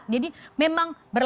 jadi memang berat